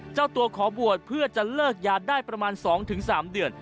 เจ้าตัวขอบวชเพื่อจะเลิกยาได้ประมาณ๒๓เดือน